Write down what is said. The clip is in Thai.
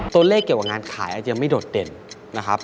ตัวเลขเกี่ยวกับงานขายอาจจะไม่โดดเด่นนะครับ